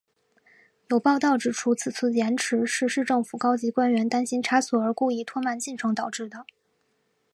有报导指出此次延迟是市政府高级官员担心差错而故意拖慢进程导致的。